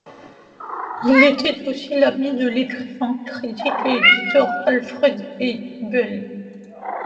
Il était aussi l'ami de l'écrivain, critique et éditeur, Alfred Eibel.